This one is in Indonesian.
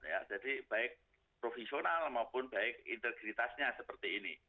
ya jadi baik profesional maupun baik integritasnya seperti ini